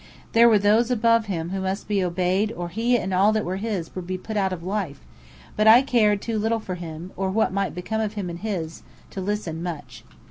There were those above him who must be obeyed or he and all that were his would be put out of life; but I cared too little for him, or what might become of him and his, to listen much.